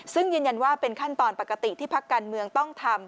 ซึ่งยืนยันว่าเป็นขั้นตอนปกติที่พักการเมืองต้องทำ